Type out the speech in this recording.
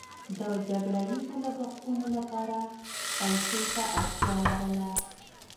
د جګړه ییزو لګښتونو لپاره پیسو ته اړتیا لرله.